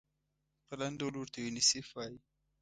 په لنډ ډول ورته یونیسف وايي.